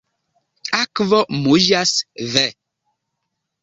Akvo muĝas, ve.